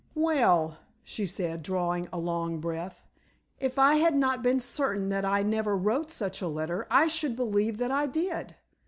"Well," she said, drawing a long breath, "if I had not been certain that I never wrote such a letter, I should believe that I did.